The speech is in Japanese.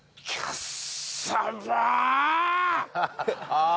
ああ。